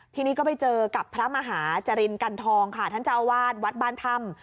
ทีนี้ก็ไปเจอกับพระมหาจรินกันทองค่ะท่านเจ้าวาดวัดบ้านถ้ำ